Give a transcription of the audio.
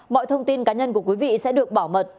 mọi thông tin cá nhân của quý vị sẽ được bảo mật